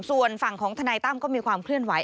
ส่วนฝั่งของทนายตั้มก็มีความเคลื่อนไห